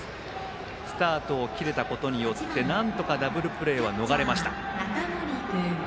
スタートを切れたことでなんとかダブルプレーは逃れました。